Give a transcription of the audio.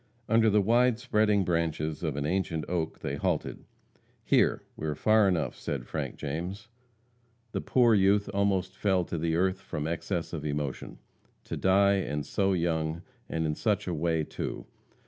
Under the wide spreading branches of an ancient oak they halted. "Here! we are far enough," said Frank James. The poor youth almost fell to the earth from excess of emotion. To die, and so young, and in such a way, too!